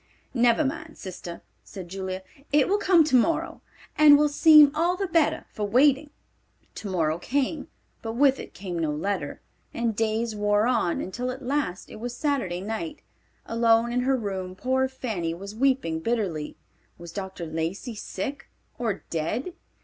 "Never mind, sister," said Julia. "It will come tomorrow, and will seem all the better for waiting." Tomorrow came, but with it came no letter, and days wore on, until at last it was Saturday night. Alone in her room poor Fanny was weeping bitterly. Was Dr. Lacey sick or dead?